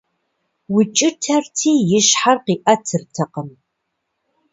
Укӏытэрти и щхьэр къиӏэтыртэкъым.